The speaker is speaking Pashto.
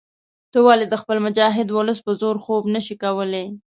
ته ولې د خپل مجاهد ولس په زور خوب نه شې لیدلای.